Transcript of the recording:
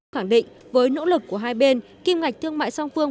khẳng định với nỗ lực của hai bên kim ngạch thương mại song phương